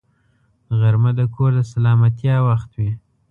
غرمه د کور د سلامتیا وخت وي